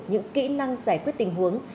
những kỹ năng giải quyết tình huống